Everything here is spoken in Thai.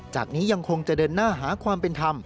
จากนี้ยังคงจะเดินหน้าหาความเป็นธรรม